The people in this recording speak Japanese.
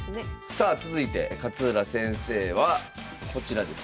さあ続いて勝浦先生はこちらです。